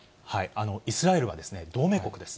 イスラエルは同盟国です。